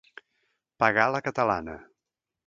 Pagar a la catalana.